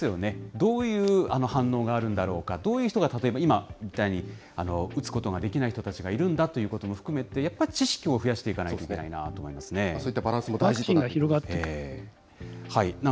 どういう反応があるんだろうか、どういう人が、例えば今言ったみたいに打つことができない人たちがいるんだということも含めて、やっぱり知識を増やしていかないといけないなとそういったバランスも大事だ